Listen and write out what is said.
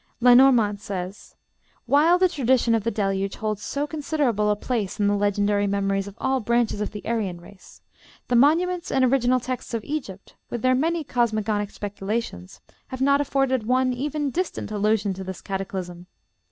Lenormant says: "While the tradition of the Deluge holds so considerable a place in the legendary memories of all branches of the Aryan race, the monuments and original texts of Egypt, with their many cosmogonic speculations, have not afforded one, even distant, allusion to this cataclysm.